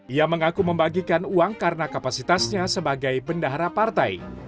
ia mengaku membagikan uang karena kapasitasnya sebagai bendahara partai